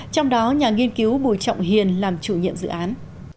trong đó nhà nghiên cứu bùi trọng hiền làm chủ nhiệm dự án